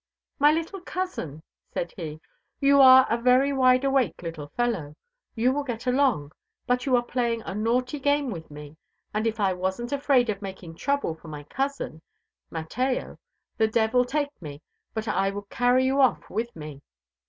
"My little cousin," said he, "you are a very wide awake little fellow. You will get along. But you are playing a naughty game with me; and if I wasn't afraid of making trouble for my cousin, Mateo, the devil take me! but I would carry you off with me."